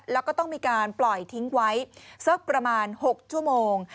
แล้วก็ต้องมีการปล่อยทิ้งไว้สักประมาณ๖ชั่วโมง